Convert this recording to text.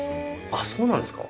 あっそうなんですか。